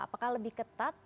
apakah lebih ketat